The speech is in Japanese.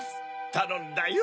たのんだよ。